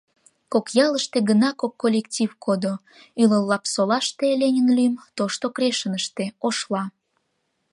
Кок ялыште гына кок коллектив кодо: ӱлыл Лапсолаште — «Ленин лӱм», Тошто Крешыныште — «Ошла».